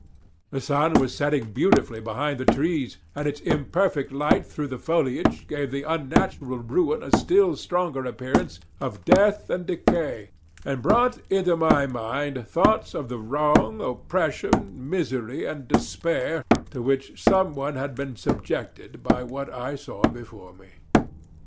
The sun was setting beautifully behind the trees, and its imperfect light through the foliage gave the unnatural ruin a still stronger appearance of death and decay, and brought into my mind thoughts of the wrong, oppression, misery, and despair, to which some one had been subjected by what I saw before me.